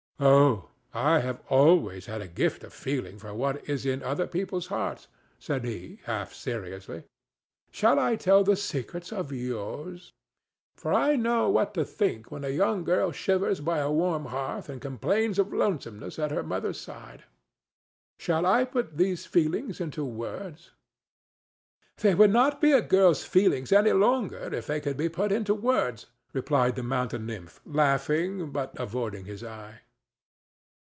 "Oh, I have always had a gift of feeling what is in other people's hearts," said he, half seriously. "Shall I tell the secrets of yours? For I know what to think when a young girl shivers by a warm hearth and complains of lonesomeness at her mother's side. Shall I put these feelings into words?" "They would not be a girl's feelings any longer if they could be put into words," replied the mountain nymph, laughing, but avoiding his eye.